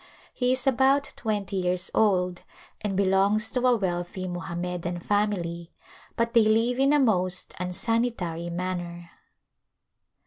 He is about twenty years old and belongs to a wealthy Mohammedan family, but they live in a most unsanitary manner.